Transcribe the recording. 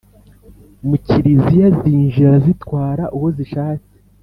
mu Kiliziya zinjira zitwara uwo zishatse.